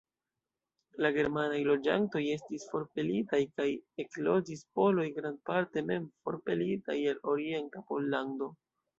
La germanaj loĝantoj estis forpelitaj, kaj ekloĝis poloj, grandparte mem forpelitaj el orienta Pollando.